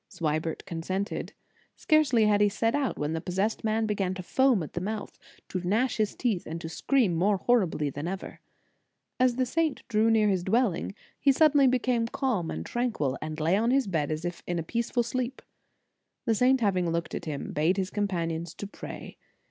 Swibert consented. Scarcely had he set out, when the possessed man began to foam at the mouth, to gnash his teeth, and to scream more horribly than ever. As the saint drew near his dwelling, he suddenly became calm and tranquil, and lay on his bed as if in a peaceful sleep. The saint, having looked at him, bade his companions to pray.